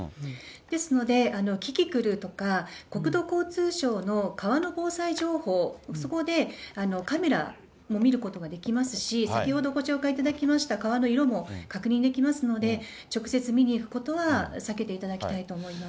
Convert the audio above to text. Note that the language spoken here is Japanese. ですので、キキクルとか、国土交通省の川の防災情報、そこでカメラも見ることができますし、先ほどご紹介いただきました川の色も確認できますので、直接見に行くことは避けていただきたいと思います。